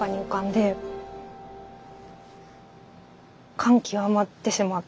感極まってしまって。